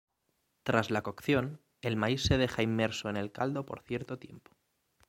Tras la cocción, el maíz se deja inmerso en el caldo por cierto tiempo.